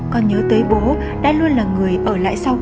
con nhớ tới bố đã luôn là người ở lại sau